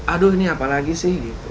aduh ini apa lagi sih